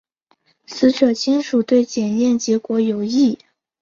死者亲属对检验结果有异。